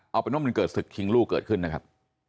เอาเป็นว่ามันเกิดศึกชิงลูกเกิดขึ้นนะครับ